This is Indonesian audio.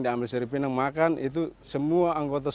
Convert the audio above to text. dia ambil siripinang makan itu semua anggota suku